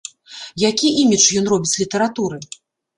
Які імідж ён робіць літаратуры?